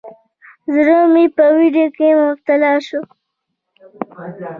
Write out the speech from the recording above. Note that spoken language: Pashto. زړه مې په ویره کې مبتلا شو.